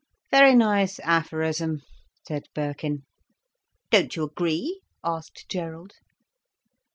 "Very nice aphorism," said Birkin. "Don't you agree?" asked Gerald.